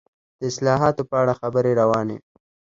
د اصلاحاتو په اړه خبرې روانې وې.